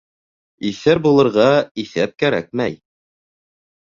Иҫәр булырға иҫәп кәрәкмәй.